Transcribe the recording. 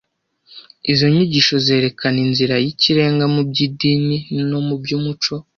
Izo nyigisho zerekana inzira y’ikirenga mu by’idini no mu by’umuco